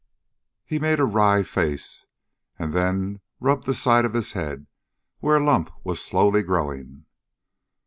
He made a wry face and then rubbed the side of his head where a lump was slowly growing.